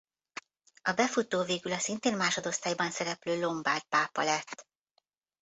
A befutó végül a szinté másodosztályban szereplő Lombard Pápa lett.